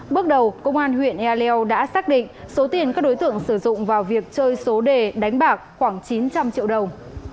bước đầu công an huyện ea leo đã xác định số tiền các đối tượng sử dụng vào việc chơi số đề đánh bạc khoảng chín trăm linh triệu đồng